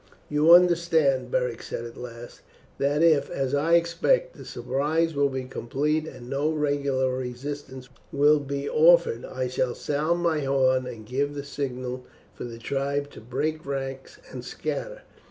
"You understand," Beric said at last, "that if, as I expect, the surprise will be complete and no regular resistance be offered, I shall sound my horn and give the signal for the tribe to break ranks and scatter.